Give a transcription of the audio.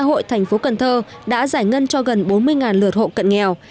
đến điểm này ngân hàng chính sách xã hội tp cnh đã giải ngân cho gần bốn mươi lượt hộ cận nghèo